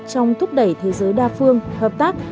trong thúc đẩy thế giới đa phương hợp tác